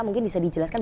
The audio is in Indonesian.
mungkin bisa dijelaskan